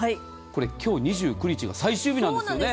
今日２９日が最終日なんですよね。